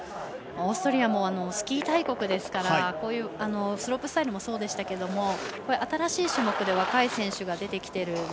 オーストリアもスキー大国ですからスロープスタイルもそうでしたが新しい種目で若い選手が出てきている。